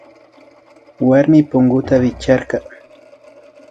Warmi punguta wichkarka